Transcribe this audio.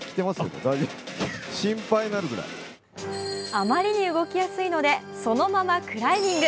あまりに動きやすいのでそのままクライミング。